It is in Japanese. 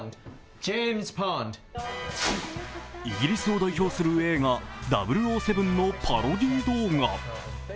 イギリスを代表する映画「００７」のパロディー動画。